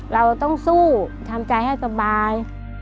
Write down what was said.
เราต้องสู้ทำใจให้สบาย